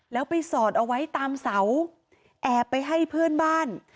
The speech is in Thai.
แล้วไปสอดเอาไว้ตามเสาแอบไปให้เพื่อนบ้าน